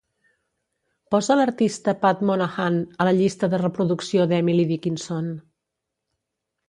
Posa l'artista Pat Monahan a la llista de reproducció d'Emily Dickinson.